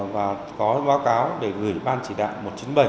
và có báo cáo để gửi ban chỉ đạo một trăm chín mươi bảy